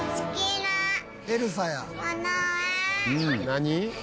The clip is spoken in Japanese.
何？